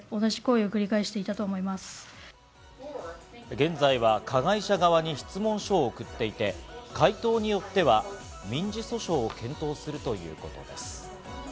現在は加害者側に質問書を送っていて、回答によっては民事訴訟を検討するということです。